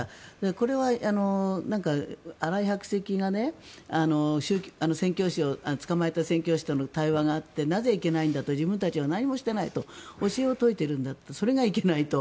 これは新井白石が宣教師との対話があってなぜいけないんだと自分たちは何もしていないと教えを説いているんだとそれがいけないんだと。